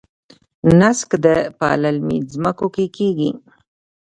نسک په للمي ځمکو کې کیږي.